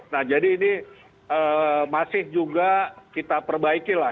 nah jadi ini masih juga kita perbaiki lah